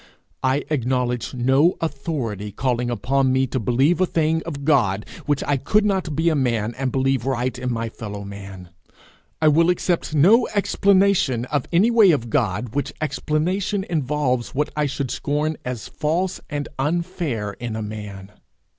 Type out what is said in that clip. I acknowledge no authority calling upon me to believe a thing of God, which I could not be a man and believe right in my fellow man. I will accept no explanation of any way of God which explanation involves what I should scorn as false and unfair in a man.